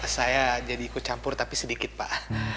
saya jadi ikut campur tapi sedikit pak